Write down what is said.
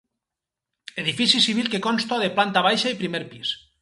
Edifici civil que consta de planta baixa i primer pis.